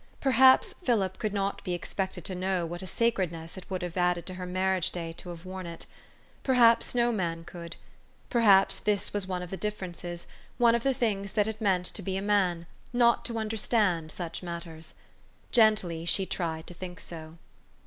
Perhaps Philip could not be ex pected to know what a sacredness it would have added to her marriage day to have worn it. Perhaps no man could. Perhaps this was one of the differ ences, one of the things that it meant to be a man, not to understand such matters. Gently she tried to think so.